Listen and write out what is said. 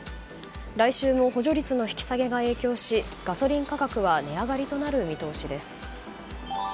来週も補助率の引き下げが影響しガソリン価格は値上がりとなる見通しです。